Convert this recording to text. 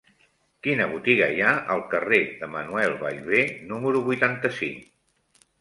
Quina botiga hi ha al carrer de Manuel Ballbé número vuitanta-cinc?